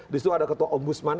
di situ ada ketua ombudsman